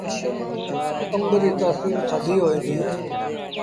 آݩب ريٚ تآسيٚر ٿڌي هوئي ديٚ۔